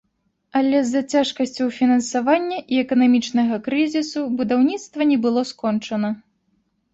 Але з-за цяжкасцяў фінансавання і эканамічнага крызісу, будаўніцтва не было скончана.